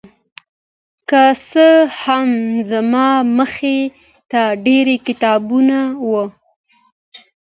که څه هم زما مخې ته ډېر کتابونه وو